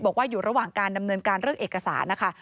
บอกว่าอยู่ระหว่างการดำเนินการเรื่องเอกสารนะคะ